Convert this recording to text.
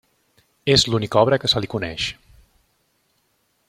És l'única obra que se li coneix.